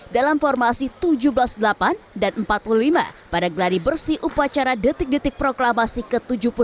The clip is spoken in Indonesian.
dalam formasi tujuh belas delapan dan empat puluh lima pada gladi bersih upacara detik detik proklamasi ke tujuh puluh dua